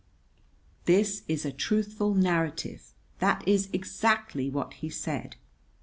This is a truthful narrative. That is exactly what he said.